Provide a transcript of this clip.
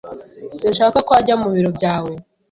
Sinshaka ko ajya mu biro byawe